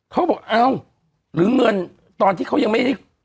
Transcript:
เขาบอกเอ้าหรือเงินตอนที่เขายังไม่ได้